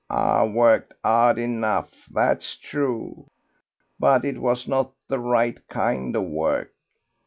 "I worked hard enough, that's true; but it was not the right kind of work....